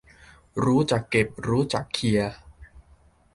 รู้จักเก็บรู้จักเขี่ย